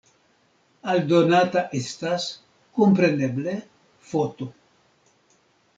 Aldonata estas, kompreneble, foto.